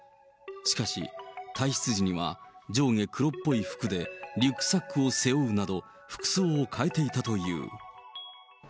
しかし、退室時には上下黒っぽい服でリュックサックを背負うなど、服装を変えていたという。